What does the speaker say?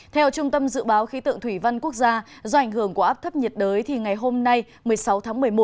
theo trung tâm dự báo khí tượng thủy văn quốc gia do ảnh hưởng của áp thấp nhiệt đới thì ngày hôm nay một mươi sáu tháng một mươi một